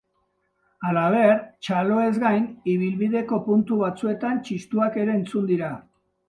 Halaber, txaloez gain, ibilbideko puntu batzuetan txistuak ere entzun dira.